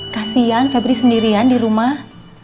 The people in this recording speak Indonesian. kasian febri sendirian di rumah